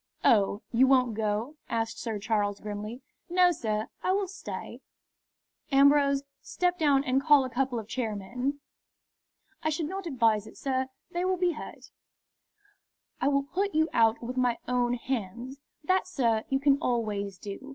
"Oh, you won't go?" asked Sir Charles, grimly. "No, sir; I will stay." "Ambrose, step down and call a couple of chairmen." "I should not advise it, sir. They will be hurt." "I will put you out with my own hands." "That, sir, you can always do.